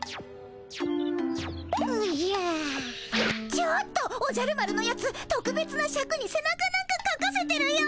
ちょっとおじゃる丸のやつとくべつなシャクにせなかなんかかかせてるよ。